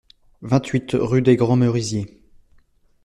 vingt-huit rue des Grands Merisiers